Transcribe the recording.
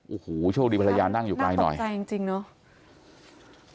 โอ้โหโชคดีภรรยานั่งอยู่ไกลหน่อยไกลจริงจริงเนาะ